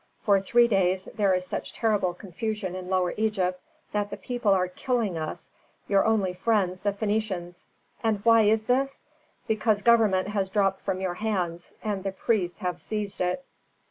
For three days, there is such terrible confusion in Lower Egypt that the people are killing us, your only friends, the Phœnicians. And why is this? Because government has dropped from your hands, and the priests have seized it."